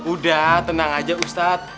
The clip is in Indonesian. udah tenang aja ustadz